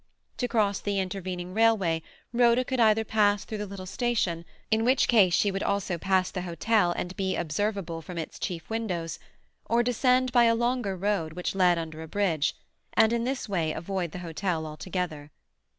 To cross the intervening railway, Rhoda could either pass through the little station, in which case she would also pass the hotel and be observable from its chief windows, or descend by a longer road which led under a bridge, and in this way avoid the hotel altogether.